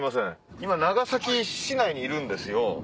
今長崎市内にいるんですよ。